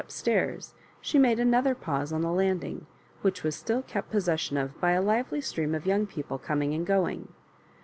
up stairs she made another pause on the landing, which was still kept posses sion of by a lively stream of young people coming and going.